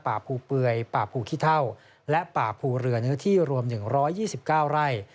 ภูเปื่อยป่าภูขี้เท่าและป่าภูเรือเนื้อที่รวม๑๒๙ไร่